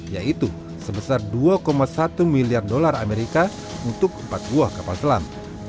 yaitu sebesar dua satu miliar dolar amerika untuk empat buah kapal selam